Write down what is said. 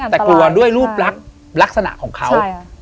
แต่กลัวด้วยรูปลักษณะของเขา